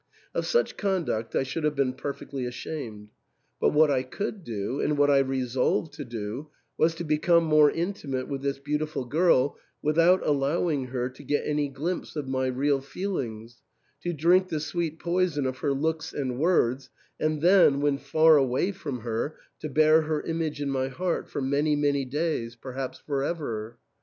Of such conduct I should have been perfectly ashamed. But what I could do, and what I resolved to do, was to become more intimate with this beautiful girl without allowing her to get any glimpse of my real feelings, to drink the sweet poison of her looks and words, and then, when far away from her, to bear her image in my heart for many, many days, perhaps for ever.